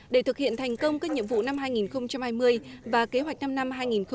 để thực hiện thành công các nhiệm vụ năm hai nghìn hai mươi và kế hoạch năm năm hai nghìn một mươi sáu hai nghìn hai mươi